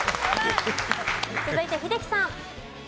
続いて英樹さん。